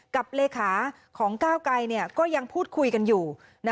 เลขาของก้าวไกรก็ยังพูดคุยกันอยู่